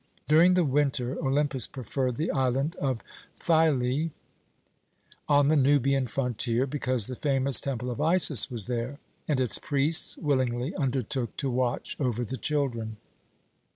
During the winter Olympus preferred the island of Philæ, on the Nubian frontier, because the famous Temple of Isis was there, and its priests willingly undertook to watch over the children.